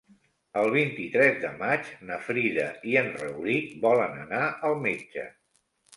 El vint-i-tres de maig na Frida i en Rauric volen anar al metge.